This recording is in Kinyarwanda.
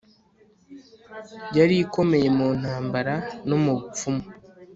yari ikomeye mu ntambara no mu bupfumu